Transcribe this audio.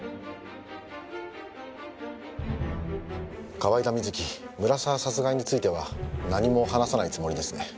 河井田瑞希村沢殺害については何も話さないつもりですね。